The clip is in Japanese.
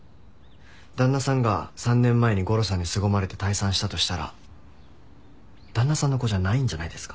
旦那さんが３年前にゴロさんにすごまれて退散したとしたら旦那さんの子じゃないんじゃないですか？